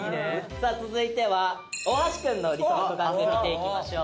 さあ続いては大橋くんの理想の告白見ていきましょう。